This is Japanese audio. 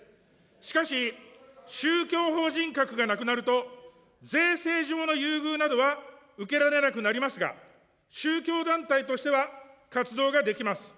しかし、宗教法人格がなくなると税制上の優遇などは受けられなくなりますが、宗教団体としては活動ができます。